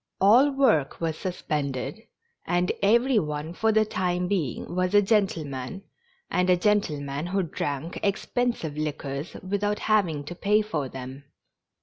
All work was sus pended, and every one for the time being was a gentle man, and a gentleman who drank expensive liquors without having to pay for them.